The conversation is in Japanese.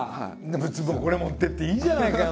別にこれ持ってっていいじゃないかよ